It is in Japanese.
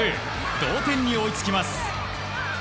同点に追いつきます。